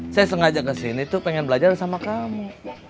saya sengaja kesini tuh pengen belajar sama kamu